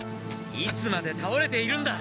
いつまでたおれているんだ。